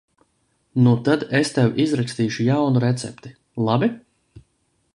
Nu tad es tev izrakstīšu jaunu recepti, labi?